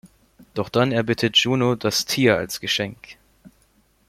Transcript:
Doch dann erbittet Juno das Tier als Geschenk.